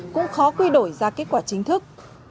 cũng khó quy đổi ra kết quả chính thức